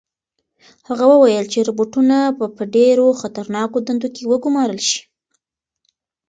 هغه وویل چې روبوټونه به په ډېرو خطرناکو دندو کې وګمارل شي.